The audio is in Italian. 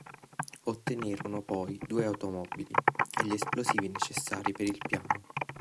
Ottennero poi due automobili e gli esplosivi necessari per il piano.